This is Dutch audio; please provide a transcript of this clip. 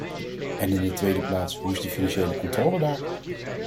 En in de tweede plaats hoe is de financiële controle daar?